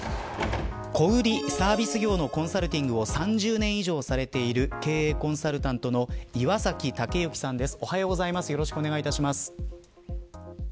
小売りサービス業のコンサルティングを３０年以上されている経営コンサルタントの岩崎剛幸さんです。